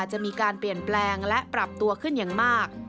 จะมีการเปลี่ยนแปลงและปรับตัวขึ้นอย่างมาก